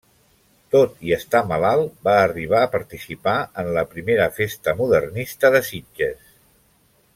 Tot i estar malalt, va arribar a participar en la primera Festa Modernista de Sitges.